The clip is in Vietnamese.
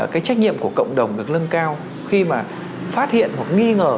cái trách nhiệm của cộng đồng được lưng cao khi mà phát hiện hoặc nghi ngờ